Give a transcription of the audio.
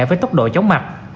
với tốc độ chống mặt